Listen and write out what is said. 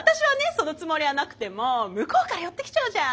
そのつもりはなくても向こうから寄ってきちゃうじゃん。